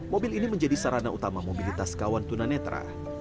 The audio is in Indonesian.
mobil ini menjadi sarana utama mobilitas kawan tunanetra